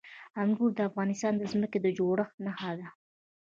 انګور د افغانستان د ځمکې د جوړښت نښه ده.